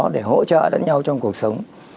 để hỗ trợ đến nhau trong cuộc sống